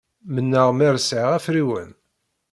Mennaɣ mer sɛiɣ afriwen!